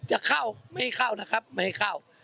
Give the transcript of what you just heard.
จะเข้าไม่ให้เข้านะครับไม่ให้เข้า